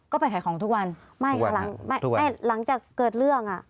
ก็ไปขายของทุกวันไม่ครับหลังจากเกิดเรื่องอ่ะ